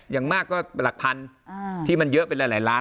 อย่างมากก็หลักพันธุ์ที่มันเยอะเป็นหลายล้าน